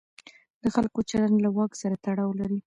د خلکو چلند له واک سره تړاو لري.